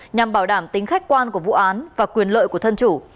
nhằm bảo đảm tính khách quan của vụ án và quyền lợi của thân chủ